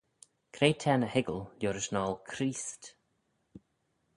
Cre t'er ny hoiggal liorish yn 'ockle Creest?